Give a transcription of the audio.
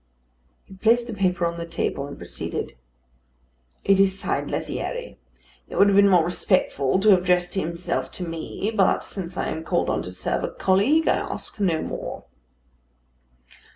He placed the paper on the table, and proceeded: "It is signed, Lethierry. It would have been more respectful to have addressed himself to me. But since I am called on to serve a colleague, I ask no more."